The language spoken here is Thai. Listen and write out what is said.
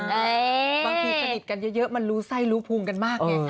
บางทีสนิทกันเยอะมันรู้ไส้รู้ภูมิกันมากไง